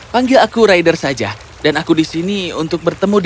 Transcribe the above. panggil aku raidar saja dan aku di sini untuk bertemu